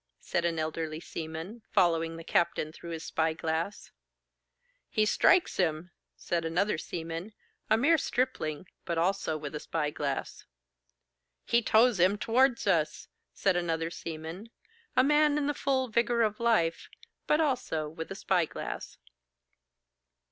said an elderly seaman, following the captain through his spy glass. 'He strikes him!' said another seaman, a mere stripling, but also with a spy glass. 'He tows him towards us!' said another seaman, a man in the full vigour of life, but also with a spy glass.